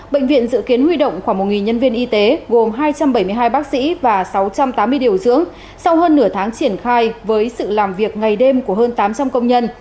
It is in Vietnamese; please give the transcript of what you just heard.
bệnh viện dự kiến huy động khoảng một nhân viên y tế gồm hai trăm bảy mươi hai bác sĩ và sáu trăm tám mươi điều dưỡng sau hơn nửa tháng triển khai với sự làm việc ngày đêm của hơn tám trăm linh công nhân